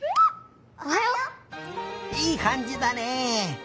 いいかんじだね。